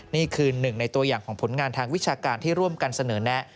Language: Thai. นี่คือหนึ่งในตัวอย่างของผลงานทางวิชาการที่ร่วมกันเสนอแนะ